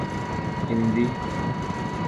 Hindi